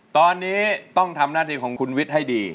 ตอนนี้ต้องทำหน้าที่ของคุณวิทย์ให้ดี